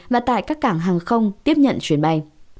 và tại các cảng hàng không tiếp nhận chuyến bay